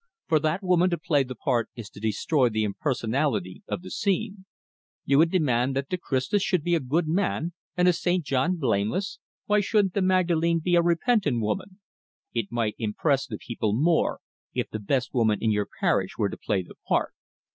For that woman to play the part is to destroy the impersonality of the scene." "You would demand that the Christus should be a good man, and the St. John blameless why shouldn't the Magdalene be a repentant woman?" "It might impress the people more, if the best woman in your parish were to play the part.